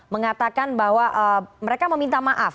mengatakan bahwa mereka meminta maaf